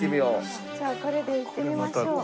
じゃあこれで行ってみましょう。